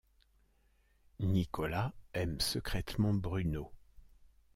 Nicolas aime secrètement Bruno.